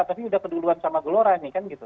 tapi udah keduluan sama gelora nih kan gitu